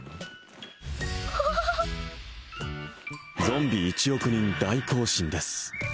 「ゾンビ一億人大行進」です